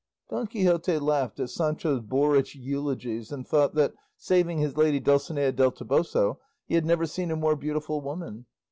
'" Don Quixote laughed at Sancho's boorish eulogies and thought that, saving his lady Dulcinea del Toboso, he had never seen a more beautiful woman.